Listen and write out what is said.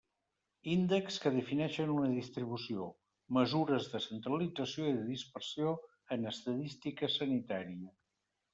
Índexs que defineixen una distribució: mesures de centralització i de dispersió en estadística sanitària.